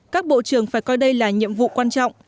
các bộ trưởng phải coi đây là nhiệm vụ quan trọng